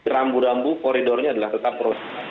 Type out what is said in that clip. rambu rambu koridornya tetap beroperasi